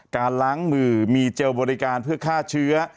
การล้างมือมีเจลบริการเพื่อฆ่าเชื้อ